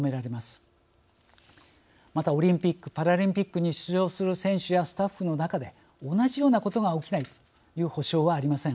またオリンピックパラリンピックに出場する選手やスタッフの中で同じようなことが起きないという保証はありません。